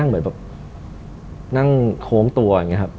นั่งเหมือนเงินห้องตัวแบบ